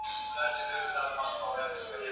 استازي به ټولو ته برابر حقونه ورکوي.